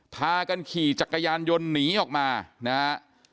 พากันขี่จักรยานยนต์หนีออกมานะฮะ